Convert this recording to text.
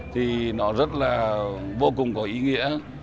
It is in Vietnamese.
thì nó rất là vô cùng có ý nghĩa